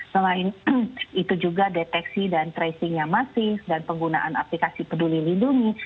selain itu juga deteksi dan tracing yang masif dan penggunaan aplikasi peduli lindungi